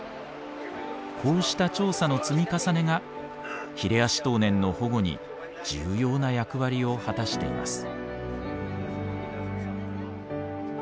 こうした調査の積み重ねがヒレアシトウネンの保護に重要な役割を果たしています。